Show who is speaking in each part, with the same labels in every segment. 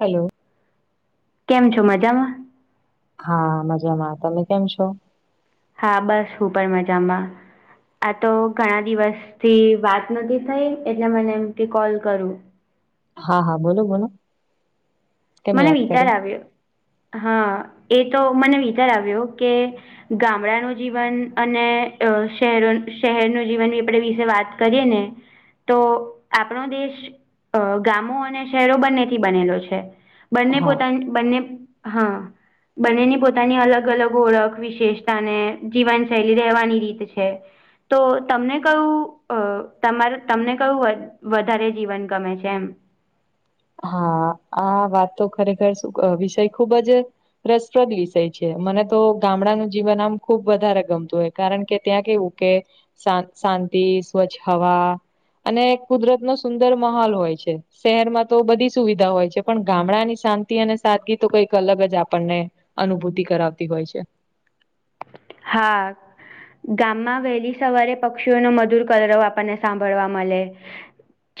Speaker 1: Hello
Speaker 2: કેમ છો મજામાં?
Speaker 1: હા મજામાં તમે કેમ છો?
Speaker 2: હા બસ હું પણ મજામાં આ તો ઘણા દિવસ થી વાત નથી થઈ એટલે મને એમથી કોલ કરું
Speaker 1: હા હા બોલો બોલો કેમ
Speaker 2: મને
Speaker 1: યાદ
Speaker 2: વિચાર
Speaker 1: કર્યા?
Speaker 2: આવ્યો હા એ તો મને વિચાર આવ્યો કે ગામડાનું જીવન અને શહેરો શહેરનું જીવનની આપણે વિશે વાત કરીએ ને તો આપણો દેશ ગામો અને શહેરો બંને થી બનેલો છે બંને
Speaker 1: હા
Speaker 2: પોતાની બંને હા બંનેની પોતાની અલગ અલગ ઓળખ વિશેષતાને જીવનશૈલી રહેવાની રીત છે તો તમને કયું તમારે તો તમને કયું વધારે જીવન ગમે છે એમ
Speaker 1: હા આ વાત તો ખરેખર શ વિષય ખુબ જ રસપ્રદ વિષય છે મને તો ગામડાનું જીવન આમ ખુબ વધારે ગમતું હોય કારણ કે ત્યાં કેવું કે શાંતિ સ્વચ્છ હવા અને કુદરત નો સુંદર મહહોલ હોય છે શહેરમાં તો બધી સુવિધા હોય છે પણ ગામડાની શાંતિ અને સાદગી તો કંઈક અલગ જ આપણને અનુભૂતિ કરાવતી હોય છે
Speaker 2: હા વહેલી સવારે પક્ષીઓનો મધુર કરવ આપણને મળે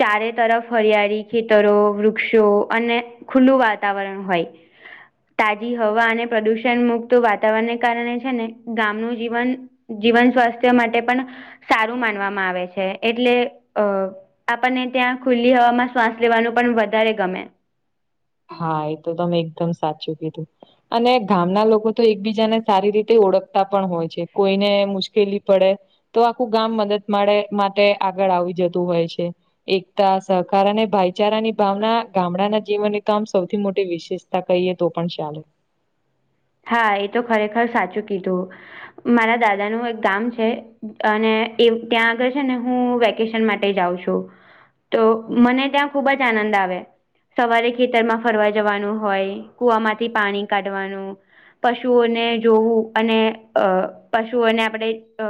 Speaker 2: ચારે તરફ હરિયાળી ખેતરો વૃક્ષો અને ખુલ્લું વાતાવરણ હોય તાજી હવા અને પ્રદુષણ મુક્ત વાતાવરણને કારણે છે ને ગામનું જીવન જીવન સ્વાસ્થ્ય માટે પણન સારું માનવામાં આવે છે એટલે અ આપણને ત્યાં ખુલ્લી શ્વાસ લેવાનું પણ વધારે ગમે
Speaker 1: હા એ તો ત મેં એકદમ સાચું કીધું. અને ગામના લોકો તો એકબીજાને સારી રીતે ઓળખતા પણ હોય છે. કોઈને મુશ્કેલી પડે. તો આખું ગામ મદદ માટેે માટે આગળ આવી જતું હોય છે. એકતા સહકાર અને ભાઈચારાની ભાવના ગામડાના જીવનમાં. કામ સૌથી મોટી વિશેષતા કહીએ જો પણ ચાલે.
Speaker 2: હા એ તો ખરેખર સાચું કીધું. મારા દાદા નું એક ગામ છે. અને ત્યાં આગળ ને હું વેકેશન માટે જાઉં છું‌. તો મને ત્યાં ખુબ જ આનંદ આવે તો. સવારે ખેતરમાં ફરવા જવાનું હોય કુવામાંથી પાણી કાઢવાનું. પશુઓને જોવું અને અ પશુઓને આપણે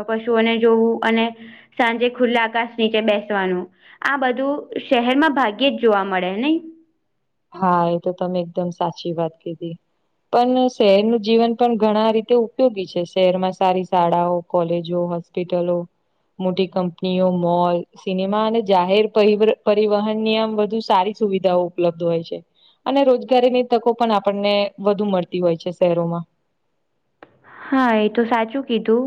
Speaker 2: પશુઓને જોવું અને. સાંજે ખુલ્લા આકાશ નીચે બેસવાનું. આ બધું શહેર માં ભાગ્યે જ જોવા મળે નઈ.
Speaker 1: હા એ તો તમે એકદમ સાચી વાત કીધી્ પણ શહેરનું જીવન પણ ઘણા રીતે ઉપયોગી છે. શહેરમાં સારી શાળાઓ કોલેજો હશે. હોસ્પિટલો... મોટી કંપનીઓ મોલ સિનેમા અને જાહેર પરિવહન ની આમ વધુ સારી. સુવિધા ઉપલબ્ધ. હોય છે અને રોજગારીની તકો પણ આપણને વધુ મળતી હોય છે. શહેરોમાં
Speaker 2: હા એ તો સાચું કીધું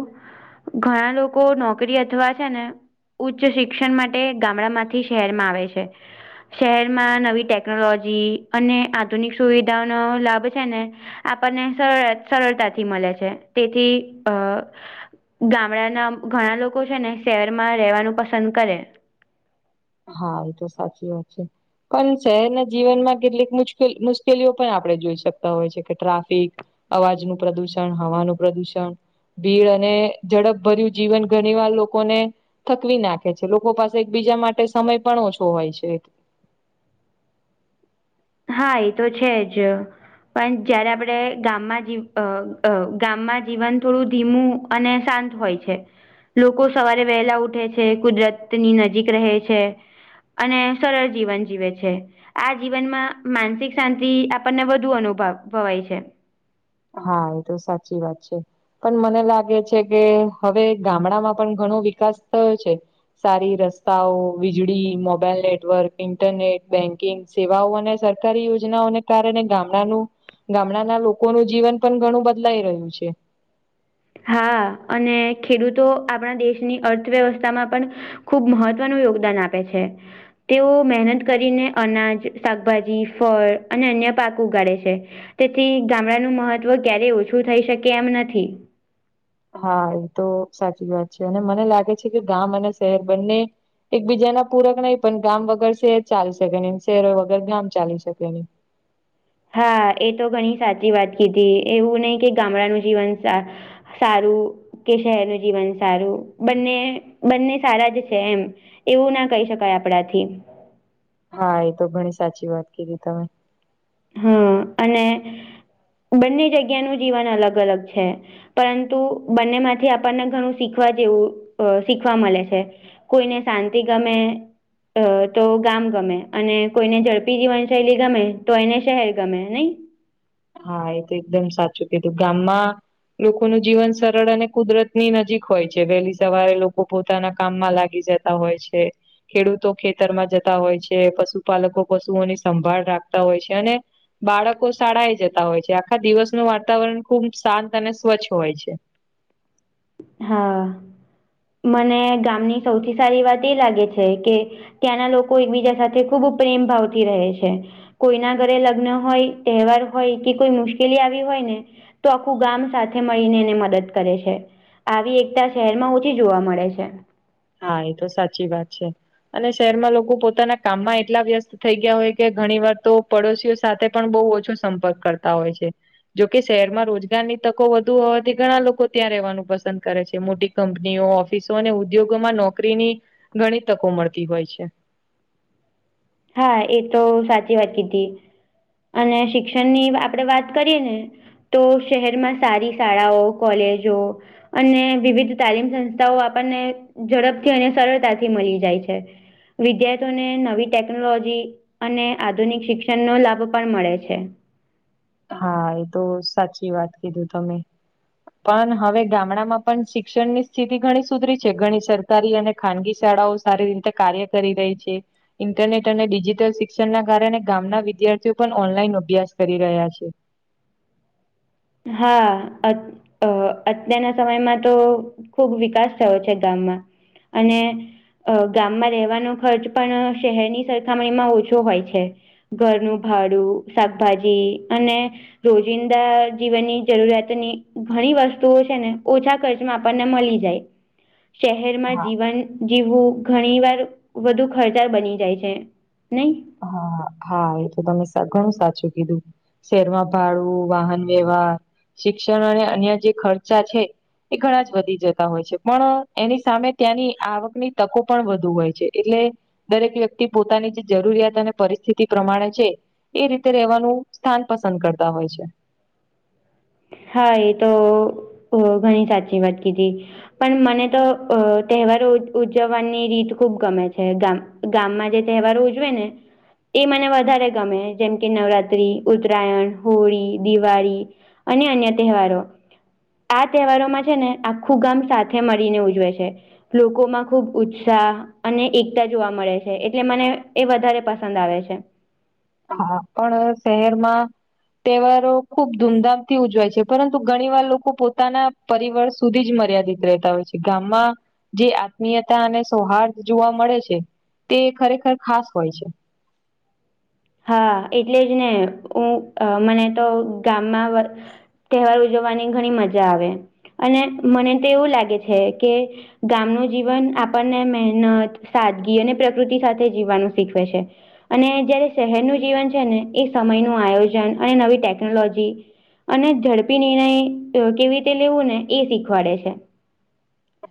Speaker 2: ઘણા લોકો નોકરી અથવા છે. ને ઉચ્ચ શિક્ષણ માટે ગામડા માંથી શહેરમાં આવે છે. શહેરમાં નવી ટેકનોલોજી અને આધુનિક સુવિધાઓનો લાભ છે. ને આપણને સર સરળતાથી મળે છે તેથી અ. ગામડાના ઘણા લોકો છે. ને શહેરમાં રહેવાનું પસંદ કરે.
Speaker 1: હા એ તો સાચી વાત છે. પણ શહેરના જીવનમાં કેટલીક મુશકેલી મુશ્કેલીઓ પણ આપડણે જોઈ શકતા હોય છે. કે ટ્રાફિક અવાજ નું પ્રદુષણ, હવાનું પ્રદુષણ, ભીડ અને ઝડપભર્યું જીવન ઘણી વાર લોકોને. થકવી નાખે છે. લોકો પાસે એકબીજા માટે સમય પણ ઓછો હોય છે.
Speaker 2: હા એ તો છે જ. પણ જયારે આપડ ગામમાં જ ગામમાં જીવન થોડું ધીમું. અને શાંત હોય છે. લોકો સવારે વહેલા ઉઠે છે. કુદરતની નજીક રહે છે. સરળ જીવન જીવે આ જીવનમાં્ માનસિક શાંતિ આપણને વધુ અનુભવ ભવાય છે.
Speaker 1: હા, એ તો સાચી વાત છે. પણ મને લાગે છે કે, હવે ગામડામાં પણ ઘણો વિકાસ થયો છે. સારી રસ્તાઓ, વીજળી, મોબાઈલ નેટવર્ક, ઇન્ટરનેટ બેંકિંગ. સેવાઓ અને સરકારી યોજનાઓને કારણે ગામડાનું ગામડાના લોકોનું. જીવન પણ ઘણું બદલાઈ રહ્યું છે.
Speaker 2: હા અને ખેડૂતો આપણા દેશની અર્થવ્યવસ્થામાં પણ. ખુબ મહત્વનું યોગદાન આપે છે. તેઓ મહેનત કરીને અનાજ, શાકભાજી, ફળ અને અન્ય પાક ઉગાડે છે. તેથી ગામડાનું મહત્વ ક્યારેય ઓછું થઈ શકે એમ નથી.
Speaker 1: હા એ તો સાચી વાત છે, અને મને લાગે છે કે ગામ અને શહેર બંને. એકબીજાના પૂરક નહીં પણ ગામ વગર શહેર ચાલી શકે નહી, ને શહેરો વગર ગામ ચાલી શકે નહી.
Speaker 2: હા એ તો ઘણી સાચી વાત કીધી, એવું નહી કે ગામડાનું જીવન સારું કે શહેરનું જીવન સારું, બંને બંને સારા જ છે એમ. એવું ના કહી શકાય આપણાથી.
Speaker 1: હા, એ તો ઘણી સાચી વાત કીધી તમે.
Speaker 2: હમ્મ અને બંને જગ્યાનું જીવન અલગ-અલગ છે. પરંતુ, બંનેમાંથી આપણને ઘણું શીખવા જેવું શીખવા મળે છે. કોઈને શાંતિ ગમે. અ તો ગામ ગમે અને કોઈને ઝડપી જીવનશૈલી ગમે. તો એને શહેર ગમે નય.
Speaker 1: હા એ તો એકદમ સાચું કીધું, ગામમાં લોકોનું જીવન સરળ અને કુદરતની નજીક હોય છે, વહેલી સવારે લોકો પોતાના કામમાં લાગી જતા આ હોય છે. ખેડૂતો ખેતરમાં જતા હોય છે, પશુપાલકો પશુઓની સંભાળ રાખતા હોય છે અને બાળકો શાળાએ જતા હોય છે, આખા દિવસનું વાતાવરણ ખુબ શાંત અને સ્વચ્છ હોય છે.
Speaker 2: હા, મને ગામની સૌથી સારી વાત એ લાગે છે કે ત્યાંના લોકો એકબીજા સાથે ખૂબ પ્રેમ ભાવથી રહે છે. કોઈના ઘરે લગ્ન હોય, તહેવાર હોય કે કોઈ મુશ્કેલી આવી હોય ને તો આખું ગામ સાથે મળીને એને મદદ કરે છે. આવી એકતા શહેરમાં ઓછી જોવા મળે છે.
Speaker 1: હા, એ તો સાચી વાત છે. અને શહેરમાં લોકો પોતાના કામમાં એટલા વ્યસ્ત થઈ ગયા હોય કે, ઘણી વાર તો પડોશઓ સાથે પણ બહુ ઓછો સંપર્ક કરતા હોય છે. જોકે શહેરમાં રોજગારની તકો વધુ હોવાથી ઘણા લોકો ત્યાં રહેવાનું પસંદ કરે છે, મોટી કંપનીઓ, ઓફિસો અને ઉદ્યોગોમાં નોકરીની ઘણી તકો મળતી હોય છે.
Speaker 2: હા, એ તો સાચી વાત કીધી. અને શિક્ષણની આપણે વાત કરીએ ને. તો શહેરમાં સારી શાળાઓ, કોલેજો અને વિવિધ તાલીમ સંસ્થાઓ આપણને ઝડપથી અને સરળતાથી મળી જાય છે. વિદ્યાર્થીઓને નવી ટેકનોલોજી અને આધુનિક શિક્ષણનો લાભ પણ મળે છે.
Speaker 1: હા, એ તો સાચી વાત કીધું તમે. પણ હવે ગામડામાં પણ શિક્ષણની સ્થિતિ ઘણી સુધરી છે, ઘણી સર સરકારી અને ખાનગી શાળાઓ સારી રીતે કાર્ય કરી રહી છે. ઇન્ટરનેટ અને ડિજિટલ શિક્ષણના કારણે ગામના વિદ્યાર્થીઓ પણ ઓનલાઈન અભ્યાસ કરી રહ્યા છે.
Speaker 2: હા, અ અ અત્યારના સમયમાં તો ખુબ વિકાસ થયો છે ગામમાં. અને. અ ગામમાં રહેવાનો ખર્ચ પણ શહેરની સરખામણીમાં ઓછો હોય છે. ઘરનું ભાડું શાકભાજી અને રોજિંદા જીવનની જરૂરિયાતની ઘણી વસ્તુઓ છે ને ઓછા ખર્ચમાં આપણને મળી જાય.
Speaker 1: હા
Speaker 2: શહેરમાં જીવન જીવવું ઘણી વાર વધુ ખર્ચાળ બની જાય છે નઈ.
Speaker 1: હા હા એ તો તમે ઘણું સાચું કીધું. શહેરમાં ભાડું વાહન વ્યવહાર શિક્ષણ અને અન્ય જે ખર્ચા છે એ ઘણા જ વધી જતા હોય છે પણ એની સામે ત્યાંની આવકની તકો પણ વધુ હોય છે એટલે દરેક વ્યક્તિ પોતાની જે જરૂરિયાત. પરિસ્થિતિ પ્રમાણે જે એ રીતે રેવાનું સ્થાન પસંદ કરતા હોય છે.
Speaker 2: હા એ તો ઘણી સાચી વાત કીધી. પણ મને તો અ તહેવારો ઉજવવાની રીત ખૂબ ગમે છે ગામ ગામમાં જે તહેવારો ઉજવે ને. ઈ મને વધારે ગમે જેમ કે નવરાત્રી, ઉત્તરાયણ, હોળી દિવાળી. અને અન્ય તહેવારો. આ તહેવારોમાં છે ને આખું ગામ સાથે મળીને ઉજવે છે. લોકોમાં ખુબ ઉત્સાહ. અને એકતા જોવા મળે છે એટલે મને એ વધારે પસંદ આવે છે.
Speaker 1: હા પણ શહેરમાં. તહેવારો ખુબ ધૂમધામથી ઉજવાય છે પરંતુ ઘણીવાર લોકો પોતાના. પરિવાર સુધી જ મર્યાદિત રહેતા હોય છે ગામમાં જે આત્મીયતા અને સૌહારસ મળે છે તે ખરેખર હોય છે.
Speaker 2: હા એટલે જ ને હું મને તો ગામમાં. તહેવાર ઉજવવાની ઘણી મજા આવે અને મને તો એવું લાગે છે કે. ગામનું જીવન આપણને મહેનત. સાદગી અને પ્રકૃતિ સાથે જીવવાનું શીખવે છે અને જયારે. શહેરનું જીવન છે ને એ સમયનું આયોજન અને નવી ટેકનોલોજી. અને ઝડપી નિર્ણય કેવી રીતે લેવું ને એ શીખવાડે છે.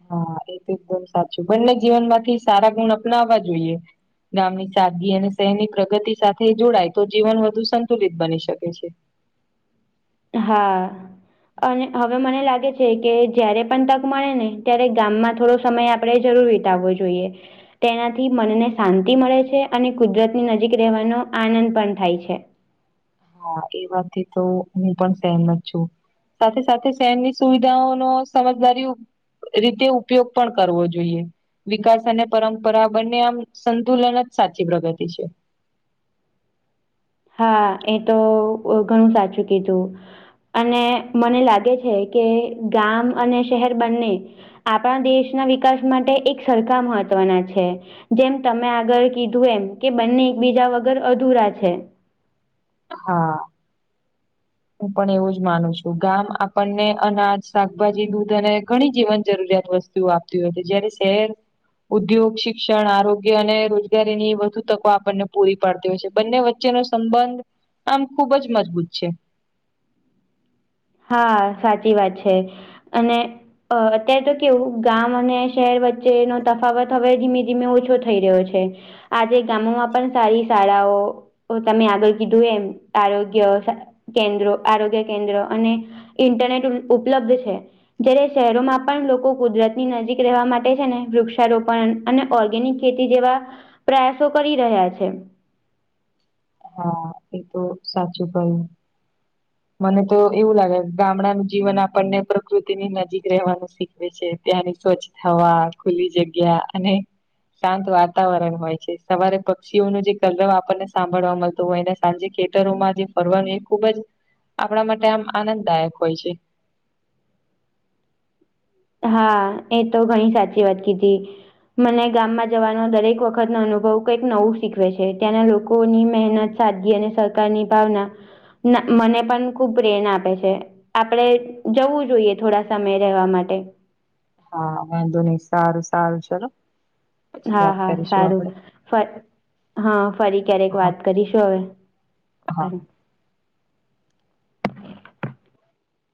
Speaker 1: હા એ તો એકદમ સાચું બંને જીવન માંથી સારા ગુણ અપનાવવા જોઈએ. ગામની સાદગદી અને શહેરની પ્રગતિ સાથે જોડાય તો જીવન વધુ સંતુલિત બની શકે છે.
Speaker 2: હા અને હવે મને લાગે છે કે જયારે પણ તક મળે ને ત્યારે ગામ થોડો સમય આપે. આપણે જરૂર વિતાવવો જોઈએ. તેનાથી મનને શાંતિ મળે છે અને કુદરતની નજીક રહેવાનો આનંદ પણ થાય છે.
Speaker 1: હા એ વાત થી તો હું પણ સહેમત છું. સાથે સાથે શહેરની સુવિધાઓ નો સમજદારી. રીતે ઉપયોગ પણ કરવો જોઈએ. વિકાસ અને પરંપરા બંને આમ સંતુલન જ સાચી પ્રગતિ છે.
Speaker 2: હા એ તો ઘણું સાચું કીધું. અને મને લાગે છે કે ગામ અને શહેર બંને. આપણા દેશના વિકાસ માટે એક સરખા મહત્વના છે. જેમ તમે આગળ કીધું એમ કે બંને એકબીજા વગર અધૂરા છે.
Speaker 1: હા
Speaker 2: [inaudible]
Speaker 1: હું પણ એવું જ માનું છું ગામ આપણને અનાજ શાકભાજી દૂધ અને ઘણી જીવન જરૂરિયાત વસ્તુ. આપતી હોય તો જ્યારે શહેર. ઉદ્યોગ શિક્ષણ આરોગ્ય અને રોજગારીની વધુ તકો આપણને પૂરી પાડતી હોય છે બંને વચ વચ્ચેનો સંબંધ આમ ખુબ જ મજબૂત છે.
Speaker 2: હા સાચી વાત છે અને અં અત્યારે તો કેવું છે ગામ અને શહેર વચ્ચે નો તફાવત ધીમે ધીમે ઓછો થઈ રહ્યો છે. આજે ગામોમાં પણ સારી શાળાઓ. તમે આગળ કીધું એમ આરોગ્ય કેન્દ્રો અને ઇન્ટરનેટ પણ ઉપલબ્ધ છે. જયારે શહેરોમાં પણ લોકો કુદરતની નજીક રહેવા માટે છે ને વૃક્ષારોપણ અને ઓર્ગેનિક ખેતી જેવા પ્રયાસો કરી રહ્યા છે.
Speaker 1: હા એતો સાચું કહ્યું.
Speaker 2: [inaudible]
Speaker 1: મને તો એવું લાગે છે કે ગામડાનું જીવન આપણને પ્રકૃતિની નજીક રહેવાનું શીખવે છે ત્યાંની સ્વચ્છ હવા, ખુલી જગ્યા અને શાંત વાતાવરણ હોય છે. સવારે પક્ષીઓનું જે કલરવ આપણને સાંભ મળવા મળતું હોયને સાંજે ખેતરોમાં જે ફરવાનું એ ખુબ જ આપણા માટે આમ આનંદદાયક હોય છે.
Speaker 2: હા એતો ઘણી સાચી વાત કીધી. મને ગામમાં જવાનો દરેક વખતનો અનુભવ કંઈક નવું શીખવે છે. ત્યાંના લોકોની મહેનત સાદગી અને સહકારની ભાવના ના મને પણ ખુબ પ્રેરણા આપે છે. આપણે જવું જોઈએ થોડા સમય રહેવા માટે.
Speaker 1: હા વાંધો નહી સારું સારું ચલો. પછી
Speaker 2: હા
Speaker 1: વાત
Speaker 2: હા
Speaker 1: કરીશું
Speaker 2: સારું
Speaker 1: આપડે
Speaker 2: ફરી હ ફરી ક્યારેક
Speaker 1: હા
Speaker 2: વાત કરીશું હવે.
Speaker 1: હા..
Speaker 2: સારું.